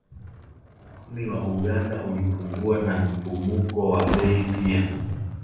Uchumi wa Uganda ulipungua na mfumuko wa bei pia